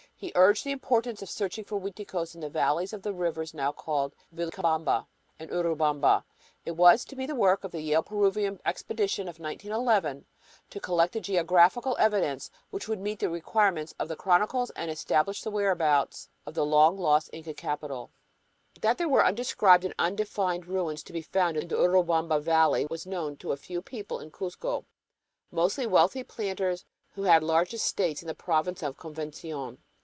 He urged the importance of searching for Uiticos in the valleys of the rivers now called Vilcabamba and Urubamba. It was to be the work of the Yale Peruvian Expedition of 1911 to collect the geographical evidence which would meet the requirements of the chronicles and establish the whereabouts of the long lost Inca capital. That there were undescribed and unidentified ruins to be found in the Urubamba Valley was known to a few people in Cuzco, mostly wealthy planters who had large estates in the province of Convencion.